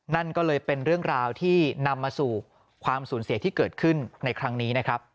นั่นก็เลยเป็นเรื่องราวที่นำมาสู่ความสูญเสียที่เกิดขึ้นในครั้งนี้นะครับ